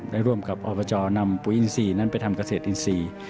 ได้ร่วมกับอบจนำปุ๋ยอินทรีย์นั้นไปทำเกษตรอินทรีย์